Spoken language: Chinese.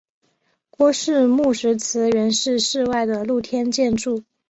郭氏墓石祠原是室外的露天建筑。